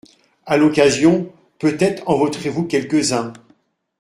À l’occasion, peut-être en voterez-vous quelques-uns.